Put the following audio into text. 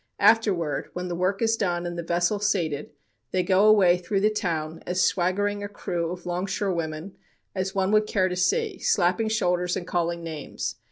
… Afterward, when the work is done and the vessel sated, they go away through the town, as swaggering a crew of long shore women as one would care to see, slapping shoulders and calling names.